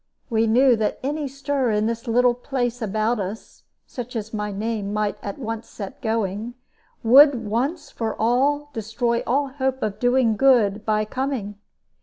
We knew that any stir in this little place about us such as my name might at once set going would once for all destroy all hope of doing good by coming.